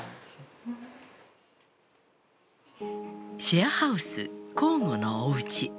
シェアハウス庚午のおうち。